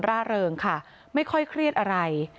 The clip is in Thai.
ร่าเริงค่ะไม่ค่อยเครียดอะไร